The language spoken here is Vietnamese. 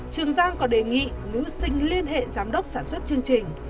trường giang còn đề nghị nữ sinh liên hệ giám đốc sản xuất chương trình